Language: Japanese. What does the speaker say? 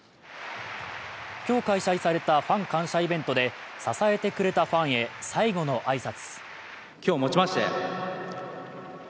今日開催されたファン感謝イベントで、支えてくれたファンへ最後の挨拶。